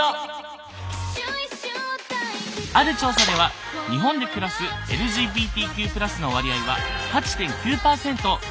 ある調査では日本で暮らすＬＧＢＴＱ＋の割合は８．９％。